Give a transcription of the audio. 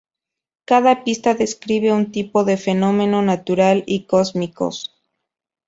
Cada pista describe un tipo de fenómeno natural y cósmicos.